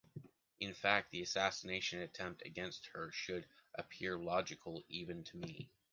In fact, that assassination attempt against her should appear logical even to me.